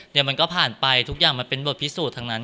เดี๋ยวมันก็ผ่านไปทุกอย่างมันเป็นบทพิสูจน์ทั้งนั้น